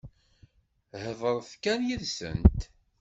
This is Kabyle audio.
Heḍṛet kan yid-sent.